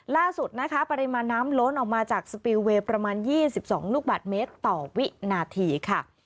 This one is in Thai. ล่าสุดนะคะปริมาณน้ำล้นออกมาจากสปิลเวย์ประมาณ๒๒ลูกบาทเมตรต่อวินาทีค่ะ